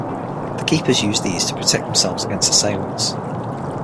The keepers use these to protect themselves against assailants.